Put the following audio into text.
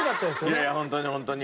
いやいやホントにホントに。